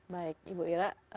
baik ibu ira